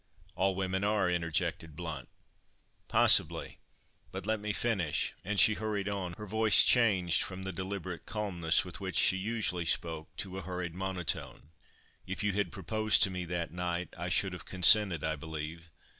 "All women are," interjected Blount. "Possibly; but let me finish;" and she hurried on—her voice changed from the deliberate calmness with which she usually spoke, to a hurried monotone—"If you had proposed to me that night, I should have consented, I believe.